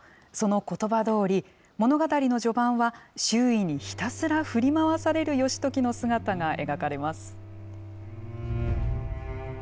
そのことばどおり、物語の序盤は周囲にひたすら振り回される義時の姿が描かれます。